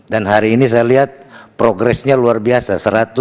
dan hari ini saya lihat progresnya luar biasa